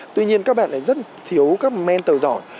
tuy nhiên các bạn lại rất thiếu các mentor giỏi